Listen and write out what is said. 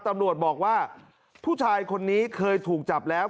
ตำรวจบอกว่าผู้ชายคนนี้เคยถูกจับแล้ว